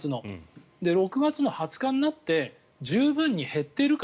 ６月２０日になって十分に減っているか。